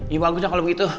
ya bagusnya kalau begitu